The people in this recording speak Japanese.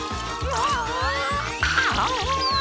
ああ。